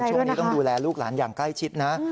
ช่วงนี้ต้องดูแลลูกหลานอย่างใกล้ชิดนะ